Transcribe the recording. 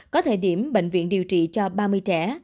có thời điểm bệnh viện điều trị cho ba mươi trẻ